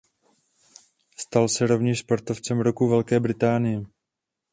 Stal se rovněž sportovcem roku Velké Británie.